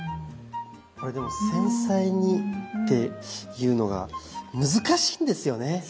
これでも繊細にっていうのが難しいんですよね。